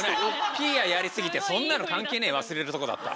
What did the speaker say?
ピーヤやりすぎて「そんなの関係ねぇ！」忘れるとこだった。